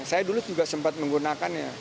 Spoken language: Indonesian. saya dulu juga sempat menggunakannya